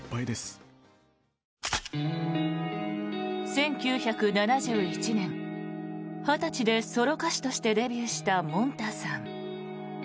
１９７１年２０歳でソロ歌手としてデビューしたもんたさん。